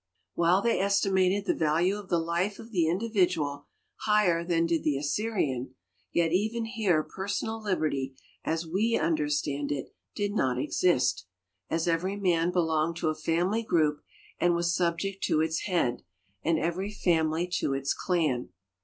While they estimated the value of the life of the indi vidual higher than did the Assyrian, yet even here personal liberty, as we understand it, did not exist, as every man belonged to a familj' group and was subject to its head, and every family to its clan.